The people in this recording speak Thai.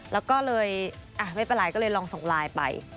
แล้วก็เลยไม่เป็นไรก็เลยลองส่งไลน์ไป